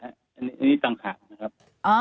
อันนี้ต่างหากนะครับ